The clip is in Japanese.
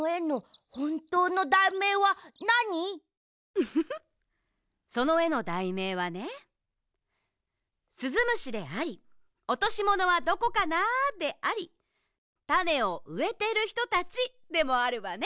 ウフフそのえのだいめいはね「すずむし」であり「おとしものはどこかな」であり「たねをうえているひとたち」でもあるわね。